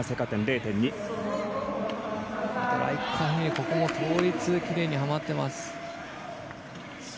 ここも倒立がきれいにはまってます。